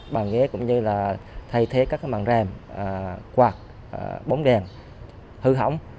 bàn ghế cũng như là thay thế các màn rèm quạt bóng đèn hư hỏng